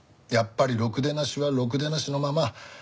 やっぱりろくでなしはろくでなしのまま。